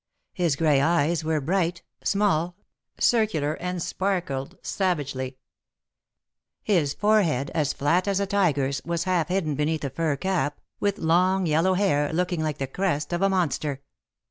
His gray eyes were bright, small, circular, and sparkled savagely; his forehead, as flat as a tiger's, was half hidden beneath a fur cap, with long yellow hair, looking like the crest of a monster.